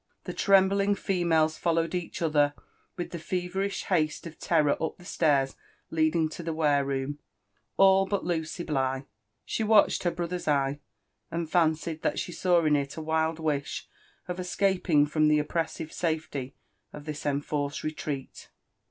The trembling females followed each other with the feveri A haste of tef ror up the stairs leading to the ware room— all but Lucy Wlgh. Sie JONATHAN JEFFERSON V^HITLAW. 339 watched her brother's eye, and fancied that she saw in it a wild wish of escaping from the oppressive safety of. this enforced retreat.